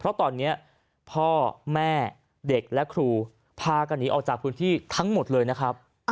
เพราะตอนนี้พ่อแม่เด็กและครูพากันหนีออกจากพื้นที่ทั้งหมดเลยนะครับ